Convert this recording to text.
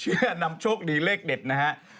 เพื่อนำโชคดีเลขเด็ดนะฮะ